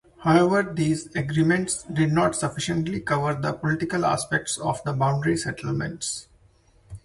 However these agreements did not sufficiently cover the political aspect of the boundary settlement.